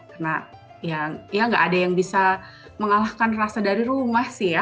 karena ya nggak ada yang bisa mengalahkan rasa dari rumah sih ya